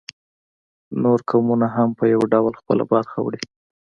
نور قومونه هم په یو ډول خپله برخه وړي